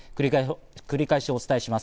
繰り返しお伝えします。